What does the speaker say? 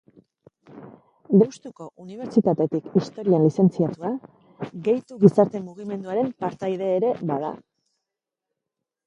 Deustuko Unibertsitatetik Historian lizentziatua, Gehitu gizarte mugimenduaren partaide ere bada.